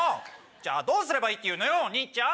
じゃあどうすればいいのよお兄ちゃん！